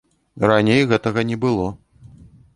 Раней гэтага не было.